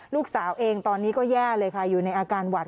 ลูกสาวเองตอนนี้ก็แย่เลยค่ะอยู่ในอาการหวัด